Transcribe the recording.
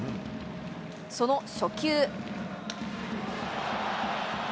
その初球。